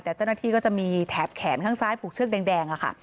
แต่เจ้าหน้าที่ก็จะมีแถบแขนข้างซ้ายผูกเชือกแดงค่ะ